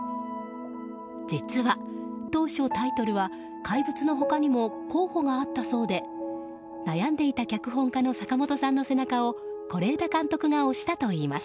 実は当初、タイトルは「怪物」の他にも候補があったそうで、悩んでいた脚本家の坂元さんの背中を是枝監督が押したといいます。